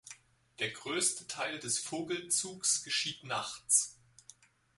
Der größte Teil des Vogelzugs geschieht nachts.